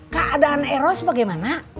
keadaan eros bagaimana